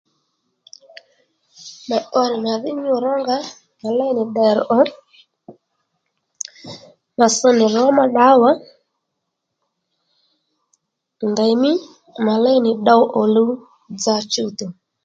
Mà pbo nì màdhí nyû rónga mà léy nì ddèrr ò mà ss nì rǒmá ddǎwà ndèymí mà léy nì ddow òluw dza chuwtò